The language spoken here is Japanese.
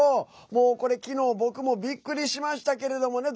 もう、これ昨日、僕もびっくりしましたけれどもね。